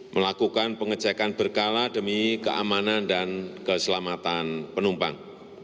melakukan pengecekan berkala demi keamanan dan keselamatan penumpang